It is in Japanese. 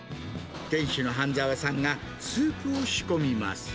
店主の半澤さんがスープを仕込みます。